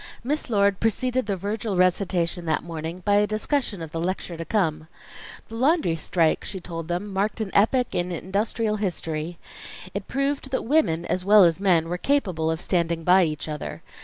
Miss Lord preceded the Virgil recitation that morning by a discussion of the lecture to come. The laundry strike, she told them, marked an epoch in industrial history. It proved that women, as well as men, were capable of standing by each other.